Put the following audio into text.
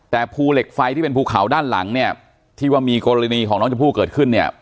แต่ภูเหล็กไฟที่เป็นภูเขาด้านหลังเนี่ยที่ว่ามีกรณีของน้องชมพู่เกิดขึ้นเนี่ย